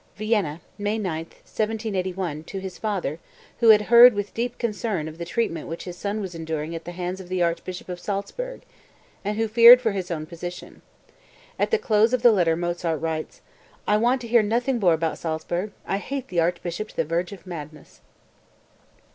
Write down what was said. (Vienna, May 9, 1781, to his father, who had heard with deep concern of the treatment which his son was enduring at the hands of the Archbishop of Salzburg, and who feared for his own position. At the close of the letter Mozart writes: "I want to hear nothing more about Salzburg; I hate the archbishop to the verge of madness.")